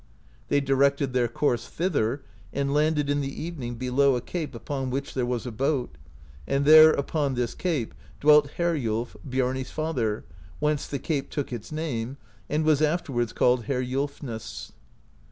They directed their course thither, and landed in the evenings below a cape upon which there was a boat, and there, upon this cape, dwelt Heriulf (05), Biarni's father, wbence the cape took its name, and was afterwards called Heriulfsness.